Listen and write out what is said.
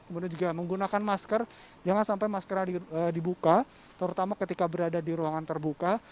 kemudian juga menggunakan masker jangan sampai maskernya dibuka terutama ketika berada di ruangan terbuka